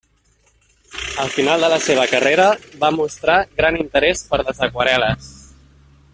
Al final de la seva carrera va mostrar gran interès per les aquarel·les.